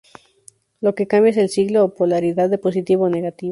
Lo que cambia es el signo o polaridad, de positivo a negativo.